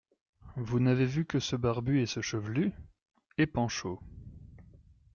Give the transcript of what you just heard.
Vous n'avez vu que ce barbu et ce chevelu ? Et Panchaud.